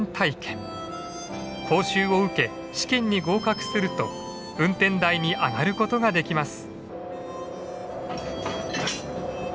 講習を受け試験に合格すると運転台に上がることができます。